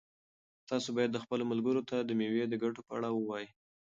تاسو باید خپلو ملګرو ته د مېوو د ګټو په اړه ووایئ.